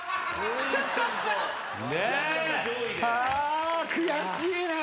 あ悔しいな。